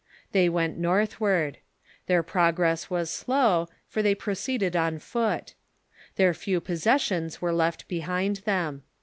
They went northward. Their progress was slow, for they proceeded on foot. Their few possessions were left behind them.